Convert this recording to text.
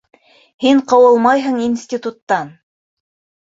Һин ҡыуылмайһың институттан!